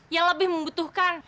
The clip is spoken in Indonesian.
yang lebih membutuhkan